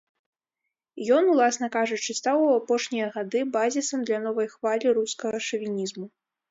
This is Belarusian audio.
Ён, уласна кажучы, стаў у апошнія гады базісам для новай хвалі рускага шавінізму.